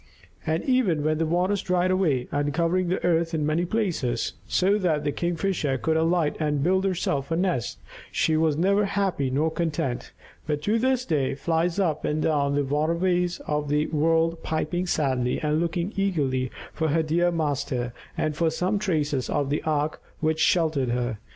And even when the waters dried away, uncovering the earth in many places, so that the Kingfisher could alight and build herself a nest, she was never happy nor content, but to this day flies up and down the water ways of the world piping sadly, looking eagerly for her dear master and for some traces of the ark which sheltered her.